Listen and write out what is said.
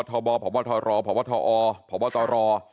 พบพพบพบรห์พอพบตร